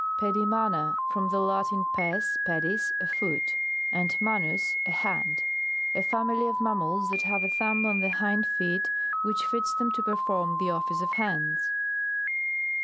PEDIMANA From the Latin, pes, pedis, a foot, and manus a hand. A family of mammals that have a thumb on the hind feet, which fits them to perform the office of hands.